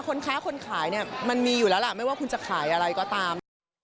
คนค้าคนขายเนี่ยมันมีอยู่แล้วล่ะไม่ว่าคุณจะขายอะไรก็ตาม